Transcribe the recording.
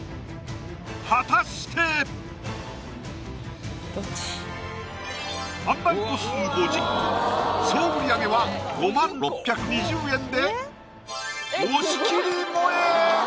果たして販売個数５０個総売り上げは５０６２０円で押切もえ！